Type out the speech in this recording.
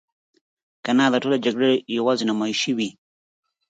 کنه دا ټولې جګړې یوازې نمایشي وي.